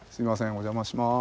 お邪魔します。